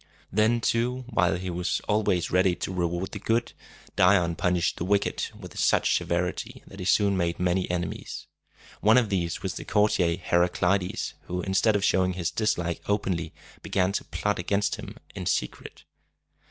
Then, too, while he was always ready to reward the good, Dion punished the wicked with such severity that he soon made many enemies. One of these was the courtier Her a cli´des, who, instead of showing his dislike openly, began to plot against him in secret.